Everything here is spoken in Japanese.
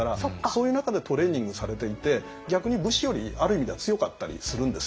そういう中でトレーニングされていて逆に武士よりある意味では強かったりするんですよね。